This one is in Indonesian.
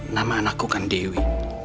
nama anakku kan dewi